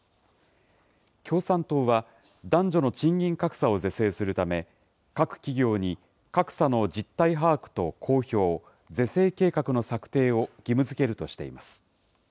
共産党は男女の賃金格差を是正するため、各企業に格差の実態把握と公表、是正計画の策定を義務づけるとしています。